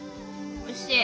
おいしい。